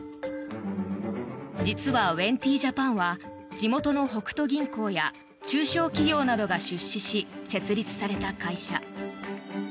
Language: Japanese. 実は、ウェンティ・ジャパンは地元の北都銀行や中小企業などが出資し設立された会社。